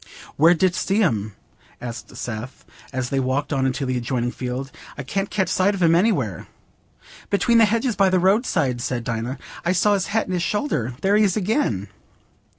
"Where didst see him?" asked Seth, as they walked on into the adjoining field. "I can't catch sight of him anywhere." "Between the hedges by the roadside," said Dinah. "I saw his hat and his shoulder. There he is again."